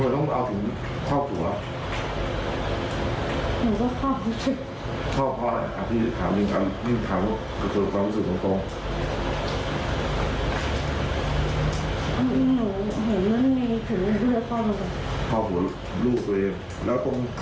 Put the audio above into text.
โดยเชื่อ